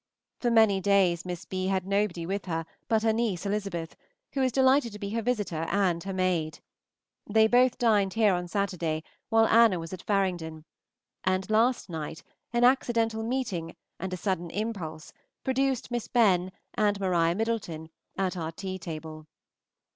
For many days Miss B. had nobody with her but her niece Elizabeth, who was delighted to be her visitor and her maid. They both dined here on Saturday while Anna was at Faringdon; and last night an accidental meeting and a sudden impulse produced Miss Benn and Maria Middleton at our tea table.